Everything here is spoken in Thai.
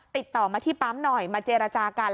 ติดต่อมาที่ปั๊มหน่อยมาเจรจากัน